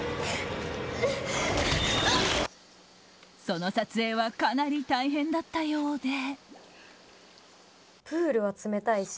その撮影はかなり大変だったようで。